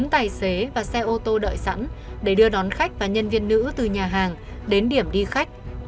bốn tài xế và xe ô tô đợi sẵn để đưa đón khách và nhân viên nữ từ nhà hàng đến điểm đi khách